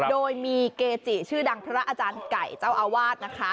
โดยมีเกจิชื่อดังพระอาจารย์ไก่เจ้าอาวาสนะคะ